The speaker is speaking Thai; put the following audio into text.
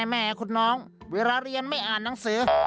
แม่คุณน้องเวลาเรียนไม่อ่านหนังสือ